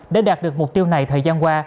để đạt được mục tiêu này thời gian qua